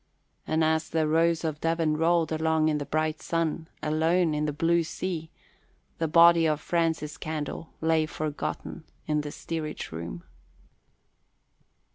And as the Rose of Devon rolled along in the bright sun, alone in a blue sea, the body of Francis Candle lay forgotten in the steerage room.